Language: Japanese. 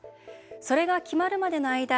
それが決まるまでの間